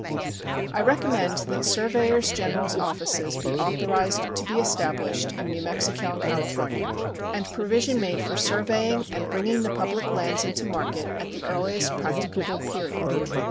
I recommend that surveyors general's offices be authorized to be established in New Mexico and California and provision made for surveying and bringing the public lands into market at the earliest practicable period.